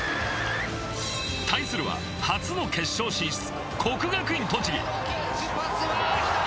対するは初の決勝進出国学院栃木。